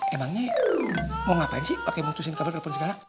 emangnya mau ngapain sih pakai mutusin kabel telepon sekarang